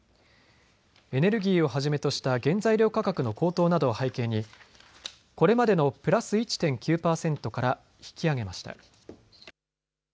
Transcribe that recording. エネルギーをはじめとした原材料価格の高騰などを背景にこれまでのプラス１．９％から引き上げました。